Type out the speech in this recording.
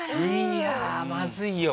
いやまずいよ